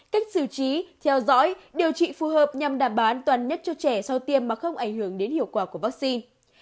cách xử trí theo dõi điều trị phù hợp nhằm đảm bảo an toàn nhất cho trẻ sau tiêm mà không ảnh hưởng đến hiệu quả của vaccine